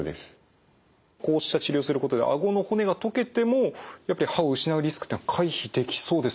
こうした治療をすることであごの骨が溶けてもやっぱり歯を失うリスクっていうのは回避できそうですか？